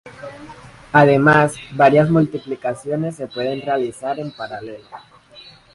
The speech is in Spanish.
Además, varias multiplicaciones se pueden realizar en paralelo.